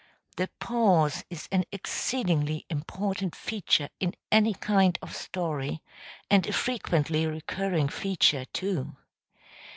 The pause is an exceedingly important feature in any kind of story, and a frequently recurring feature, too.